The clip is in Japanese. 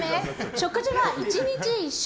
食事は１日１食！